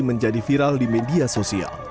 menjadi viral di media sosial